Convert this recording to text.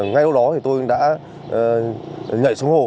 ngay lúc đó tôi đã nhảy xuống hồ